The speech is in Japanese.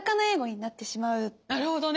なるほどね。